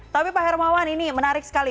tapi pak hermawan ini menarik sekali